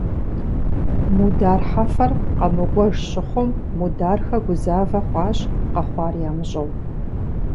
Мудар Хьэфэр къэмыкӀуэж щыхъум Мудархэ гузавэ хъуащ къэхъуар ямыщӀэу.